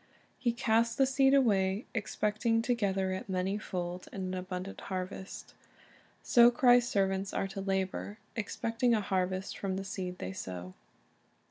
He casts the seed away, expecting to gather it many fold in an abundant harvest. So Christ's servants are to labor, expecting a harvest from the seed they sow.